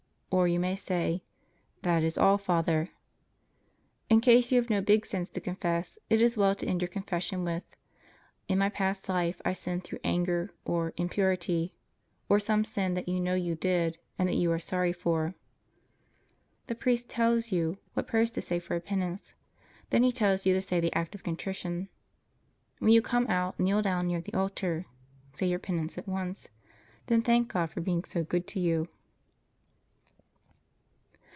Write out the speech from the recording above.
Or you may say: That is all, Father. In case you have no big sins to confess, it is well to end your confession with: "In my past life I sinned through anger or impurity" (or some sin that you know you did and that you are sorry for). The priest tells you what prayers to say for a penance. Then he tells you to say the Act of Contrition. When you come out, kneel down near the altar. Say your penance at once. Then thank God for being so good to you.